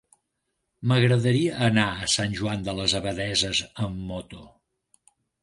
M'agradaria anar a Sant Joan de les Abadesses amb moto.